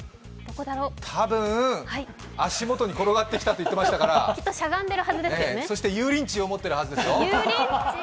多分、足元に転がってきたと言ってましたから、そして油淋鶏を持ってるはずですよ。